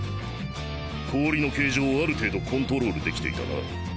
氷の形状をある程度コントロールできていたな。